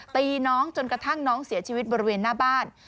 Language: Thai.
ตีน้องจนกระทั่งน้องเสียชีวิตบริเวณหน้าบ้าน